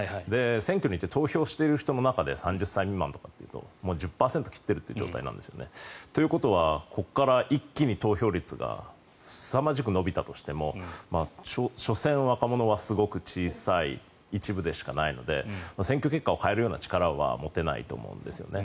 選挙に行って投票してる人の中で３０歳未満は１０％切っている状態なんですよね。ということはここから一気に投票率がすさまじく伸びたとしても所詮、若者はすごく小さい一部でしかないので選挙結果を変えるような力は持てないと思うんですね。